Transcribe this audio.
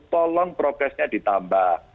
tolong prokesnya ditambah